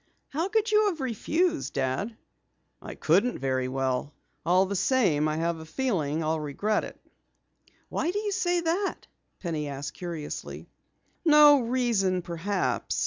"How could you have refused, Dad?" "I couldn't very well. All the same, I have a feeling I'll regret it." "Why do you say that?" Penny asked curiously. "No reason perhaps.